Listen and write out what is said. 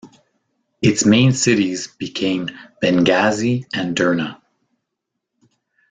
Its main cities became Benghazi and Derna.